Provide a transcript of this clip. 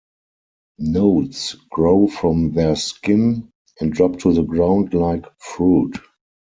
Nodes grow from their skin, and drop to the ground like fruit.